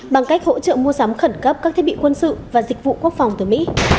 bằng cách hỗ trợ mua sắm khẩn cấp các thiết bị quân sự và dịch vụ quốc phòng từ mỹ